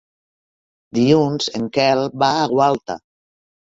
Dilluns en Quel va a Gualta.